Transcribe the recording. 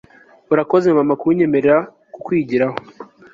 urakoze, mama, kunyemerera kukwigiraho